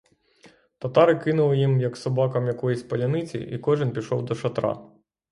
Татари кинули їм, як собакам, якоїсь паляниці, і кожен пішов до шатра.